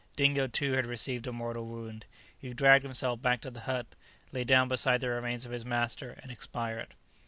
Dingo, too, had received a mortal wound; he dragged himself back to the hut, lay down beside the remains of his master, and expired.